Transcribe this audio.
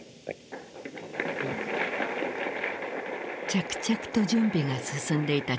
着々と準備が進んでいた